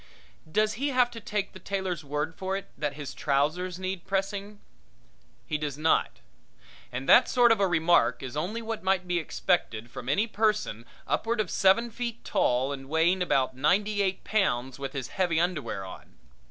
Does he have to take the tailor's word for it that his trousers need pressing? He does not. And that sort of a remark is only what might be expected from any person upward of seven feet tall and weighing about ninety eight pounds with his heavy underwear on.